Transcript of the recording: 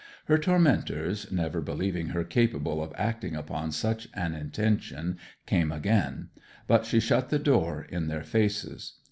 Her tormentors, never believing her capable of acting upon such an intention, came again; but she shut the door in their faces.